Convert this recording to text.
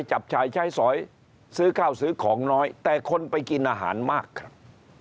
จับชายใช้สอยซื้อข้าวซื้อของน้อยแต่คนไปกินอาหารมากครับ